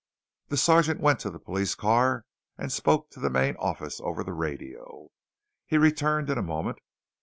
The sergeant went to the police car and spoke to the main office over the radio. He returned in a moment.